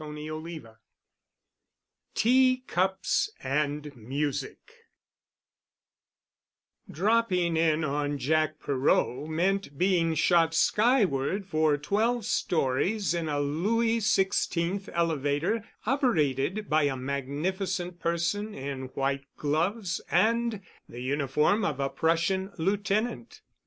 *CHAPTER XII* *TEA CUPS AND MUSIC* Dropping in on Jack Perot meant being shot skyward for twelve stories in a Louis Sixteenth elevator operated by a magnificent person in white gloves and the uniform of a Prussian lieutenant.